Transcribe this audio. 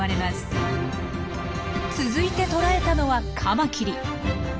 続いて捕らえたのはカマキリ。